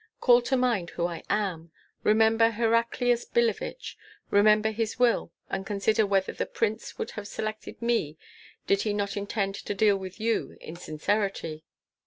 Call to mind who I am, remember Heraclius Billevich, remember his will, and consider whether the prince would have selected me did he not intend to deal with you in sincerity."